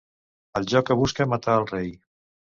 El joc que busca matar el rei.